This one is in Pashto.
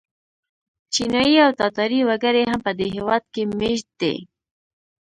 چینایي او تاتاري وګړي هم په دې هېواد کې مېشت دي.